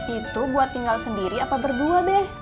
itu buat tinggal sendiri apa berdua beh